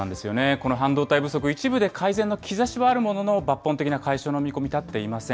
この半導体不足、一部で改善の兆しはあるものの、抜本的な解消の見込み、立っていません。